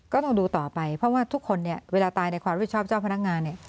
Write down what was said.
ก็ต้องดูต่อไปเพราะว่าทุกคนเนี่ยเวลาตายในความผิดชอบเจ้าพนักงานเนี่ย